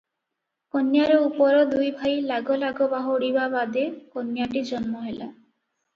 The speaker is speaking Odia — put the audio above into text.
କନ୍ୟାର ଉପର ଦୁଇ ଭାଇ ଲାଗ ଲାଗ ବାହୁଡ଼ିବା ବାଦେ କନ୍ୟାଟି ଜନ୍ମ ହେଲା ।